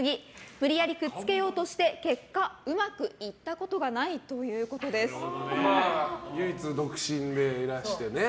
無理やりくっつけようとして結果、うまくいったことがない唯一独身でいらしてね。